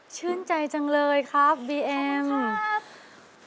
ชื่นใจจังเลยครับบีเอ็มครับครับขอบคุณครับ